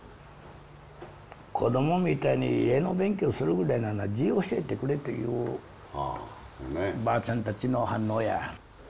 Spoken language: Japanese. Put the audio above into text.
子供みたいに絵の勉強するぐらいなら字を教えてくれっていうばあちゃんたちの反応や。